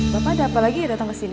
bapak ada apa lagi yang datang kesini